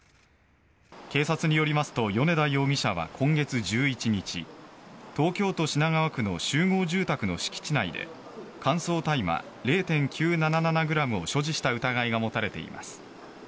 警察によりますと米田容疑者は今月１１日東京都品川区の集合住宅の敷地内で乾燥大麻０．９７７ｇを所持した疑いが持たれています。